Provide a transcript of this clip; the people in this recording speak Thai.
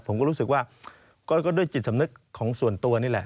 ผมก็รู้สึกว่าก็ด้วยจิตสำนึกของส่วนตัวนี่แหละ